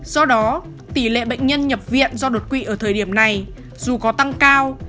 do đó tỷ lệ bệnh nhân nhập viện do đột quỵ ở thời điểm này dù có tăng cao